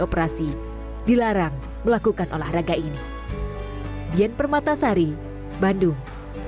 operasi dilarang melakukan olahraga ini dian permata sari bandung